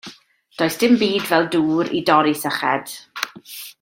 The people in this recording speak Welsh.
Does dim byd fel dŵr i dorri syched.